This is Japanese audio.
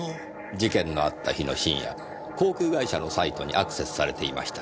事件のあった日の深夜航空会社のサイトにアクセスされていました。